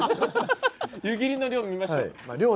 湯切りの量見ましょう。